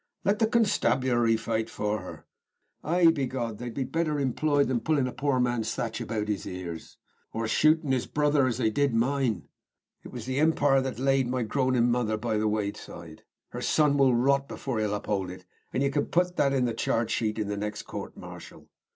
"Let the constabulary foight for her." "Ay, be God, they'd be better imployed than pullin' a poor man's thatch about his ears." "Or shootin' his brother, as they did mine." "It was the Impire laid my groanin' mother by the wayside. Her son will rot before he upholds it, and ye can put that in the charge sheet in the next coort martial."